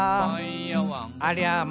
「ありゃま！